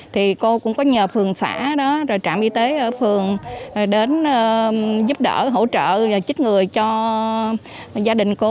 thì cô cũng có nhờ phường xã đó rồi trạm y tế ở phường đến giúp đỡ hỗ trợ chích người cho gia đình cô